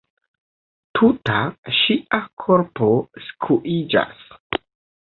Tuta ŝia korpo skuiĝas.